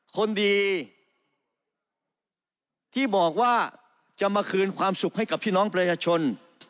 คนดีที่บอกว่าจะมาคืนความสุขให้กับพี่น้องประชาชน